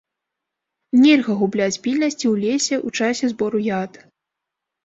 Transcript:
Нельга губляць пільнасць і ў лесе, у часе збору ягад.